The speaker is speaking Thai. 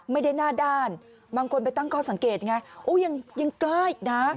ไม่ได้หน้าด้านบางคนไปตั้งข้อสังเกตไงยังกล้าอีกนะ